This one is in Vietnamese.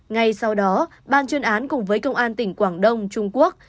ngay sau đó ban chuyên án cùng với công an tỉnh quảng đông trung quốc